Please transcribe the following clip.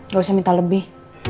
gak usah minta lebih